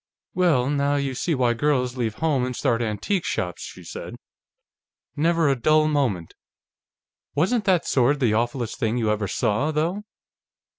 "Well, now you see why girls leave home and start antique shops," she said. "Never a dull moment.... Wasn't that sword the awfullest thing you ever saw, though?"